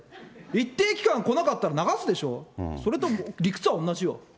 一定期間来なかったら流すでしょ、それと理屈は同じよ。